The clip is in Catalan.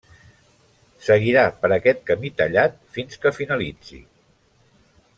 Seguirà per aquest camí tallat fins que finalitzi.